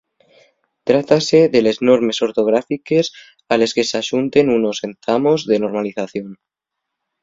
Trátase de les Normes Ortográfiques a les que s'axunten unos «entamos de normalización».